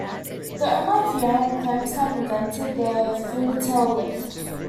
The owner of Yan claims to have invented the funitel lift.